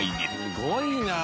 すごいなあ。